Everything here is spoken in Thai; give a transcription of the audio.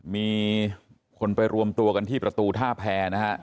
มีคนไปรวมตัวกันที่ประตูท่าแพรนะฮะ